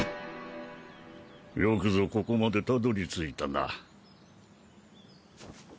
よくぞここまでたどり着いたな。